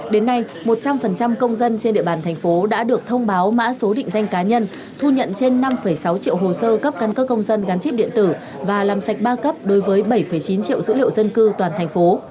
đến nay một trăm linh công dân trên địa bàn thành phố đã được thông báo mã số định danh cá nhân thu nhận trên năm sáu triệu hồ sơ cấp căn cước công dân gắn chip điện tử và làm sạch ba cấp đối với bảy chín triệu dữ liệu dân cư toàn thành phố